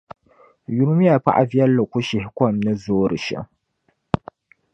Yulimiya paɣiviɛligakushihikom ni zoori shɛm.